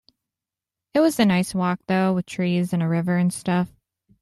It's a nice walk though, with trees and a river and stuff.